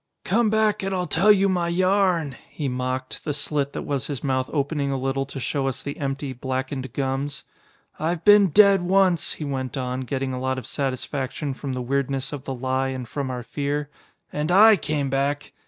"Come back and I'll tell you my yarn," he mocked, the slit that was his mouth opening a little to show us the empty, blackened gums. "I've been dead once," he went on, getting a lot of satisfaction from the weirdness of the lie and from our fear, "and I came back.